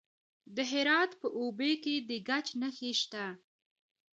د هرات په اوبې کې د ګچ نښې شته.